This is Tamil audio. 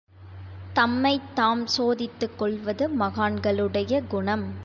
தம்மைத் தாம் சோதித்துக் கொள்வது மகான்களுடைய குணம்.